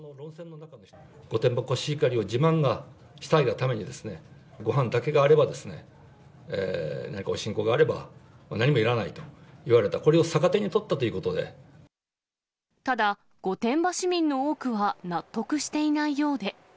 御殿場のコシヒカリを自慢がしたいがために、ごはんだけがあれば、何かおしんこがあれば何もいらないと言われた、これを逆手に取っただ、御殿場市民の多くは納得していないようで。